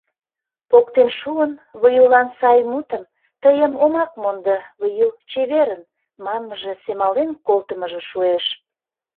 Поктен шуын, Выюлан сай мутым: «тыйым омак мондо, Выю, чеверын» — манмыже, семален колтымыжо шуэш.